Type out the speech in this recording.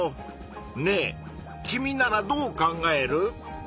ねえ君ならどう考える？